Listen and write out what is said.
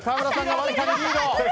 わずかにリード。